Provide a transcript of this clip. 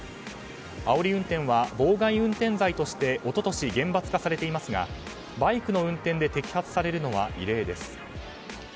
あおり運転は妨害運転罪として一昨年、厳罰化されていますがバイクの運転で摘発されるのは異例です。